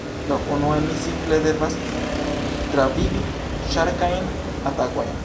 Do, unue mi simple devas travivi ŝarkajn atakojn.